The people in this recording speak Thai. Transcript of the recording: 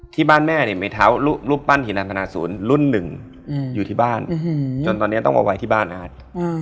ที่บ้านแม่เนี่ยมีเท้ารูปปั้นหินันทนาศูนย์รุ่นหนึ่งอยู่ที่บ้านจนตอนนี้ต้องเอาไว้ที่บ้านอาร์ต